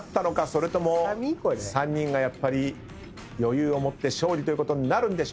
それとも３人がやっぱり余裕を持って勝利ということになるんでしょうか。